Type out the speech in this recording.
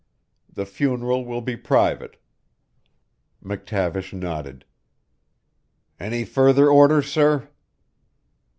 The funeral will be private." McTavish nodded. "Any further orders, sir?"